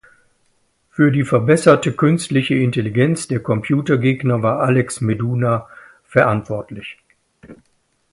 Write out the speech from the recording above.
Für die verbesserte künstliche Intelligenz der Computergegner war Alex Meduna verantwortlich.